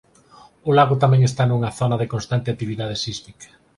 O lago tamén está nunha zona de constante actividade sísmica.